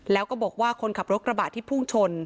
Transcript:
แล้วก็บอกว่าคนขับรถกระบะที่พุ่งชน